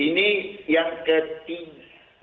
ini yang ketiga